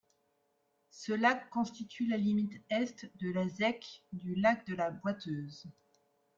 Ce lac constitue la limite Est de la zec du Lac-de-la-Boiteuse.